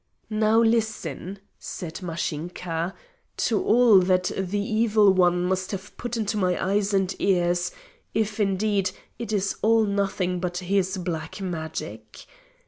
"Now listen," said Mashinka, "to all that the Evil One must have put into my eyes and ears, if, indeed, it is all nothing but his black magic.